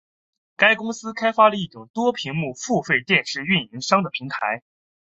该公司开发了一种多屏幕付费电视运营商的平台。